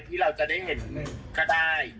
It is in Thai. ที่เราจะได้เห็นก็ได้